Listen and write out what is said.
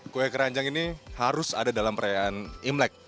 kue keranjang ini harus ada dalam perayaan imlek